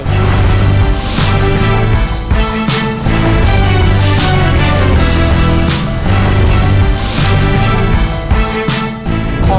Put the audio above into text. สามารถรับชมได้ทุกวัย